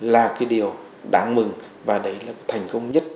là cái điều đáng mừng và đấy là thành công nhất